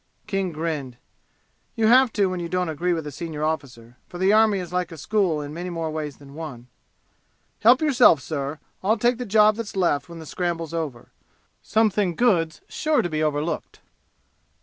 King grinned. You have to when you don't agree with a senior officer, for the army is like a school in many more ways than one. "Help yourself, sir! I'll take the job that's left when the scramble's over. Something good's sure to be overlooked."